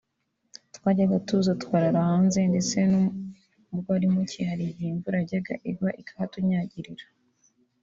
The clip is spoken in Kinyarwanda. twajyaga tuza tukarara hanze ndetse n’ubwo ari mu cyi hari igihe imvura yajyaga igwa ikahatunyagirira